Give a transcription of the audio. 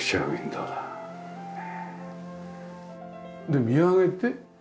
で見上げて。